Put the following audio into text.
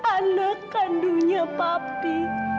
anak kandunya papi